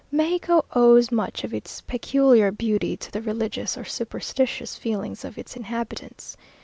Mexico owes much of its peculiar beauty to the religious or superstitious feelings of its inhabitants.